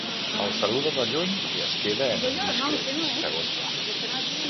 El saluda de lluny i es queda en un discret segon pla.